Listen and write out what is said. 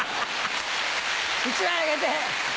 １枚あげて。